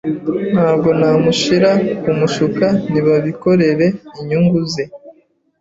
Ntabwo namushira kumushuka niba bikorera inyungu ze.